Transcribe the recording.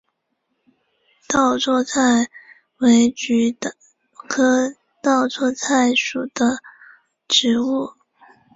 稻槎菜为菊科稻搓菜属的植物。